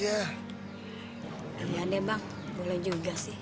kalian deh bang boleh juga sih